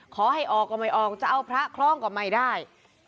ขอให้ออกก็ไม่ออกจะเอาพระคล่องก็ไม่ได้